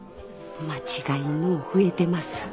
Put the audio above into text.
間違いのう増えてます。